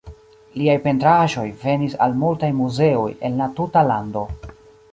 Liaj pentraĵoj venis al multaj muzeoj en la tuta lando.